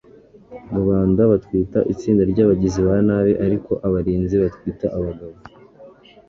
Rubanda batwita itsinda ryabagizi ba nabi ariko abarinzi batwita abagabo